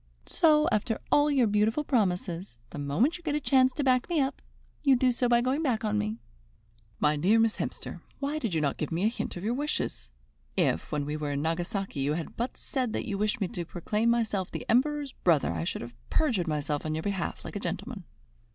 So, after all your beautiful promises, the moment you get a chance to back me up, you do so by going back on me." "My dear Miss Hemster, why did you not give me a hint of your wishes? If, when we were in Nagasaki, you had but said that you wished me to proclaim myself the Emperor's brother, I should have perjured myself on your behalf like a gentleman."